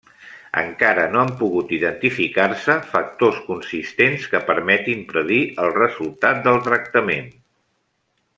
Encara no han pogut identificar-se factors consistents que permetin predir el resultat del tractament.